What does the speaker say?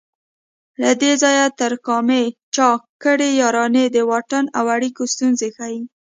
له دې ځای تر کامې چا کړي یارانې د واټن او اړیکو ستونزې ښيي